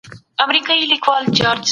د اسلامي نهضت پیروان باید ښه روزل سوي وای.